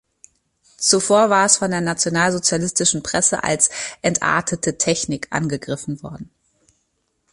Zuvor war es von der nationalsozialistischen Presse als „entartete Technik“ angegriffen worden.